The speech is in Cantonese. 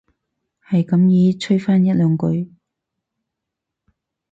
係咁依吹返一兩句